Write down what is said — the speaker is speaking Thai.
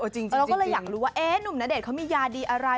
เราก็เลยอยากรู้ว่าหนุ่มณเดชนเขามียาดีอะไร